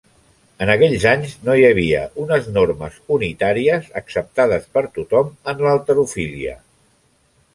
En aquells anys no hi havia unes normes unitàries acceptades per tothom en halterofília.